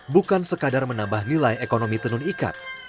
bukan sekadar menambah nilai ekonomi tenun ikat